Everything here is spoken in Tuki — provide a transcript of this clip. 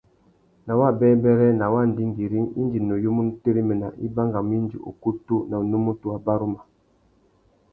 Nà wabêbêrê, nà wa ndingüîring, indi nuyumú nu téréména, i bangamú indi ukutu na unúmútú wá baruma.